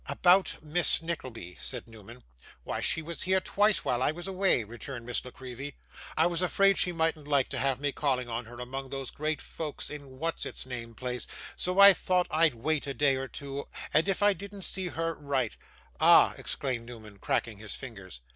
'About Miss Nickleby ' said Newman. 'Why, she was here twice while I was away,' returned Miss La Creevy. 'I was afraid she mightn't like to have me calling on her among those great folks in what's its name Place, so I thought I'd wait a day or two, and if I didn't see her, write.' 'Ah!' exclaimed Newman, cracking his fingers.